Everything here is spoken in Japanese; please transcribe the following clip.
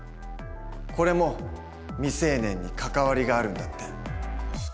これも未成年に関わりがあるんだって。